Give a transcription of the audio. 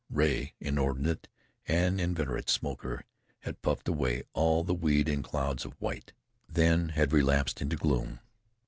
Rea, inordinate and inveterate smoker, had puffed away all the weed in clouds of white, then had relapsed into gloom.